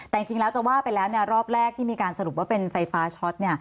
แต่จริงแล้วจะว่าไปแล้วรอบแรกที่มีการสรุปว่าเป็นไฟฟ้าช็อต